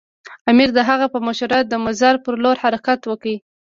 امیر د هغه په مشوره د مزار پر لور حرکت وکړ.